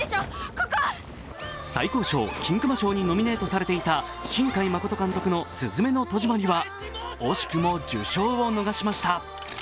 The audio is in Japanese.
最高賞・金熊賞にノミネートされていた新海誠監督の「すずめの戸締まり」は惜しくも受賞を逃しました。